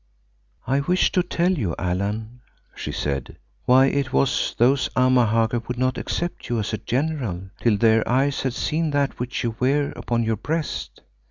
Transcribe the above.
"I wish to tell you, Allan," she said, "why it was those Amahagger would not accept you as a General till their eyes had seen that which you wear upon your breast.